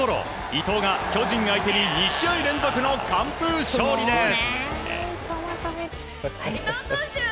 伊藤が巨人相手に２試合連続の完封勝利です。